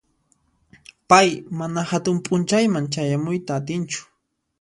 Pay mana hatun p'unchayman chayamuyta atinchu.